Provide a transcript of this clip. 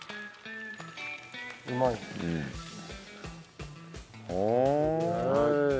うまい。